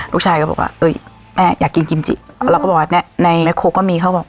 ก็บอกว่าเอ้ยแม่อยากกินกิมจิเราก็บอกว่าเนี้ยในในคุกก็มีเขาบอก